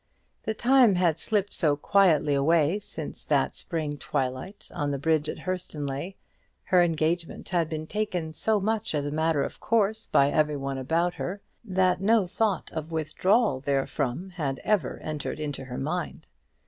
The time had slipped so quietly away since that spring twilight on the bridge at Hurstonleigh, her engagement had been taken so much as a matter of course by every one about her, that no thought of withdrawal therefrom had ever entered into her mind.